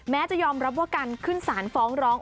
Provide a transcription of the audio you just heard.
จะยอมรับว่าการขึ้นสารฟ้องร้อง